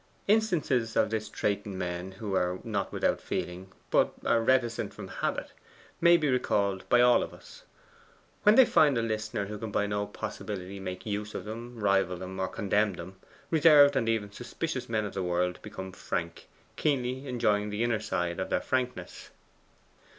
Instances of this trait in men who are not without feeling, but are reticent from habit, may be recalled by all of us. When they find a listener who can by no possibility make use of them, rival them, or condemn them, reserved and even suspicious men of the world become frank, keenly enjoying the inner side of their frankness.